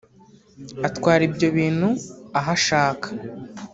atwara ibyo ibintu aho ashaka